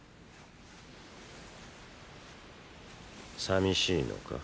さみしいのか？